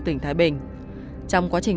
tỉnh thái bình trong quá trình